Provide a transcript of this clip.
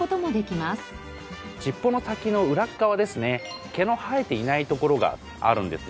尻尾の先の裏側ですね毛の生えていないところがあるんですよ。